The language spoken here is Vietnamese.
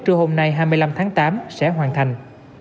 trưa hôm nay hai mươi năm tháng tám sẽ hoàn thành